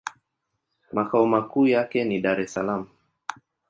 Makao makuu yake ni Dar-es-Salaam.